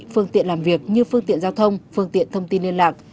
phương tiện làm việc như phương tiện giao thông phương tiện thông tin liên lạc